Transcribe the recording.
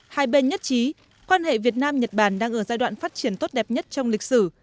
hai bên nhất trí quan hệ việt nam nhật bản đang ở giai đoạn phát triển tốt đẹp nhất trong lịch sử